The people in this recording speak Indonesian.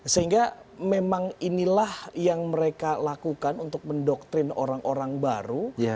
sehingga memang inilah yang mereka lakukan untuk mendoktrin orang orang baru